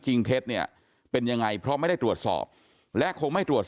เท็จเนี่ยเป็นยังไงเพราะไม่ได้ตรวจสอบและคงไม่ตรวจสอบ